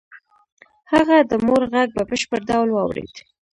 هغه د مور غږ په بشپړ ډول واورېد